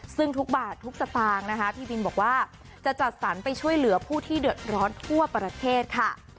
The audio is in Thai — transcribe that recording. ซึ่งทุกบาททุกสตางค์นะคะพี่บินบอกว่าจะจัดสรรไปช่วยเหลือผู้ที่เดือดร้อนทั่วประเทศค่ะ